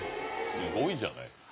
すごいじゃない。